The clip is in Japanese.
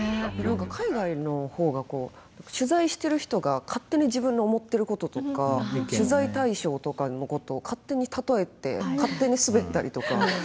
海外の方が取材してる人が勝手に自分の思ってることとか取材対象とかのことを勝手に例えて勝手にスベったりとか。